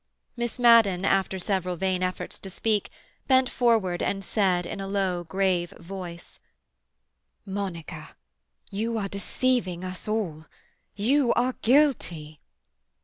Miss Madden, after several vain efforts to speak, bent forward and said in a low, grave voice,— "Monica—you are deceiving us all. You are guilty."